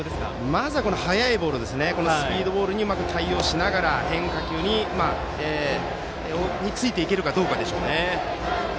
まずは速いボールにうまく対応しながら変化球についていけるかどうかでしょうね。